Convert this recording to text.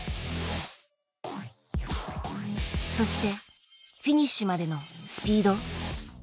そしてフィニッシュまでのスピード。